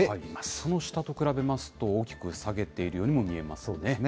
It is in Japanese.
その下と比べますと、大きく下げているようにも見えますね。